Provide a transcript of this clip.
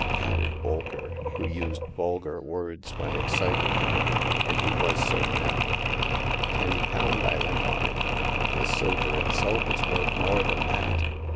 '* added Bolker, who used vulgar words when excited, and he was so now. Ten pound I lent on it ; the silver itself is worth more than that